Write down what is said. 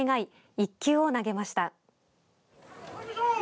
１球を投げました。